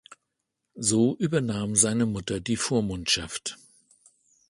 So übernahm seine Mutter die Vormundschaft.